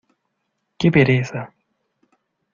¡Qué pereza!